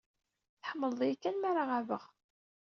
Tḥemmleḍ-iyi kan mi ara ɣabeɣ?